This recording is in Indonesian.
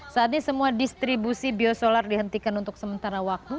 saat ini semua distribusi biosolar dihentikan untuk sementara waktu